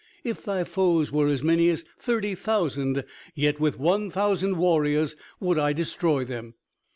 If thy foes were as many as thirty thousand, yet with one thousand warriors would I destroy them.